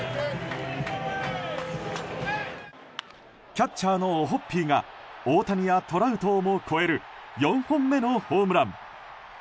キャッチャーのオホッピーが大谷やトラウトをも超える４本目のホームラン。